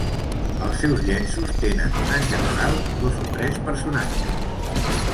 Els seus llenços tenen, en general, dos o tres personatges.